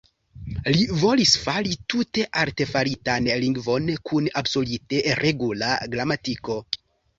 Li volis fari tute artefaritan lingvon kun absolute regula gramatiko.